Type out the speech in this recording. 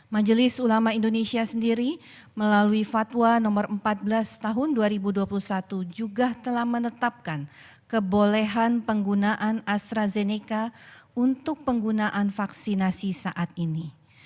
majelis ulama indonesia sendiri melalui fatwa no empat belas tahun dua ribu dua puluh satu juga telah menetapkan kebolehan penggunaan astrazeneca untuk penggunaan vaksinasi saat ini